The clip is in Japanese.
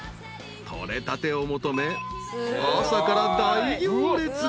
取れたてを求め朝から大行列が］